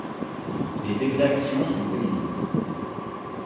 Des exactions sont commises.